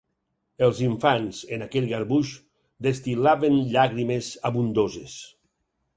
Els infants, en aquell garbuix, destil·laven llàgrimes abundoses.